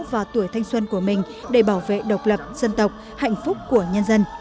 và tuổi thanh xuân của mình để bảo vệ độc lập dân tộc hạnh phúc của nhân dân